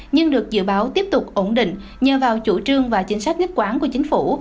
nhưng được dự báo tiếp tục ổn định nhờ vào chủ trương và chính sách nhất quán của chính phủ